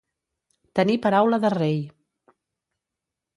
Tenir paraula de rei.